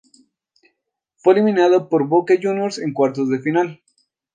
Fue eliminado por Boca Juniors en cuartos de final.